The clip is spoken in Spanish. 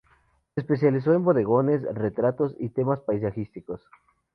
Se especializó en bodegones, retratos y temas paisajísticos.